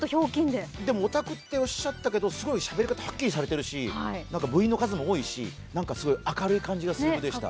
でも、オタクっておっしゃったけど、すごいしゃべり方がはっきりされてるし部員の数も多いし、なんか明るい感じがしました。